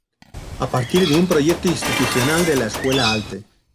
A partir de un proyecto institucional de la Escuela Alte.